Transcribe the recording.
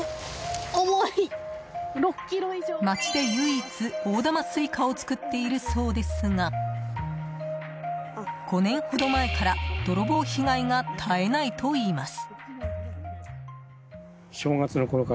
町で唯一、大玉スイカを作っているそうですが５年ほど前から泥棒被害が絶えないといいます。